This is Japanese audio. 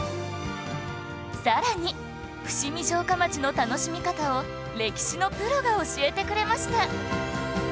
さらに伏見城下町の楽しみ方を歴史のプロが教えてくれました